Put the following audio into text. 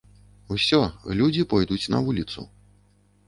Усё, людзі пойдуць на вуліцу.